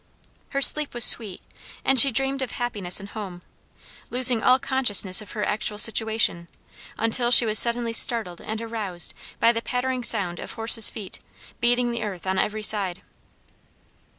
Her sleep was sweet, and she dreamed of happiness and home, losing all consciousness of her actual situation until she was suddenly startled and aroused by the pattering sound of horses' feet, beating the earth on every side.